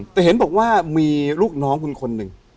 แต่เห็นบอกว่ามีลูกน้องคุณคนหนึ่ง